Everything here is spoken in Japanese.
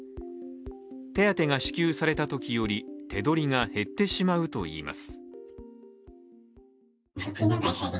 手当が支給されたときより手取りが減ってしまうといいます。